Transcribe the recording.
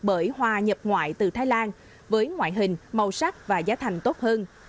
bởi hoa nhập ngoại từ thái lan với ngoại hình màu sắc và giá thành tốt hơn